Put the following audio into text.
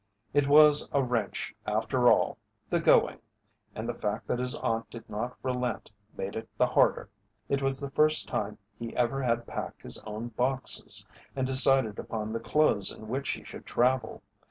It was a wrench after all the going and the fact that his aunt did not relent made it the harder. It was the first time he ever had packed his own boxes and decided upon the clothes in which he should travel.